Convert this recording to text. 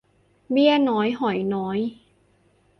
เบี้ยน้อยหอยน้อย